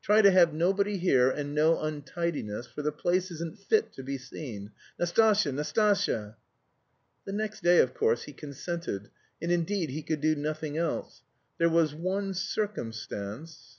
Try to have nobody here and no untidiness, for the place isn't fit to be seen. Nastasya, Nastasya!" The next day, of course, he consented, and, indeed, he could do nothing else. There was one circumstance...